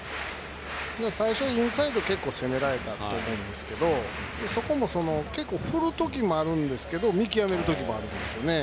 最初インサイド結構攻められたと思うんですがそこも結構振るときもあるんですが見極めるときもあるんですね。